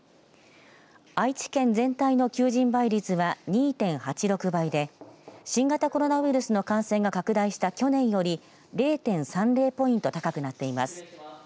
愛知県全体の求人倍率は２．８６倍で新型コロナウイルスの感染が拡大した去年より０．３０ポイント高くなっています。